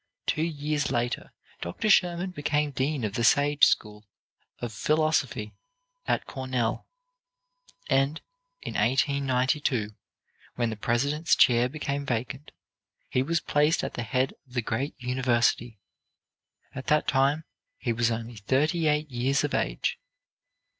Two years later, Dr. Schurman became dean of the Sage School of Philosophy at Cornell; and, in 1892, when the president's chair became vacant, he was placed at the head of the great university. At that time he was only thirty eight years of age.